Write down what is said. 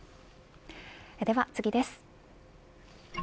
では次です。